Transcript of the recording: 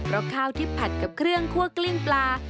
เพราะข้าวที่ผัดกับเครื่องคั่วกลิ้งปลา